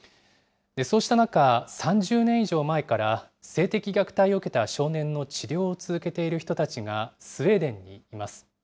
そうした中、３０年以上前から性的虐待を受けた少年の治療を続けている人たちがスウェーデンにいます。